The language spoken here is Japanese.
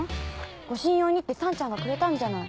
護身用にってさんちゃんがくれたんじゃない。